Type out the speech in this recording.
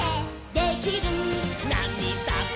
「できる」「なんにだって」